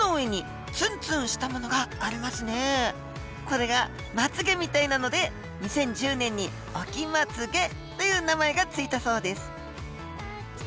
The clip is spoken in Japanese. これがまつげみたいなので２０１０年に「オキマツゲ」という名前が付いたそうです。